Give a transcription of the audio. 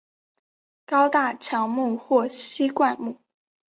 高大乔木或稀灌木。